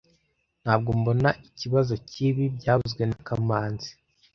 Ntabwo mbona ikibazo cyibi byavuzwe na kamanzi